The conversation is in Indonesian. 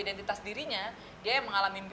identitas dirinya dia yang mengalami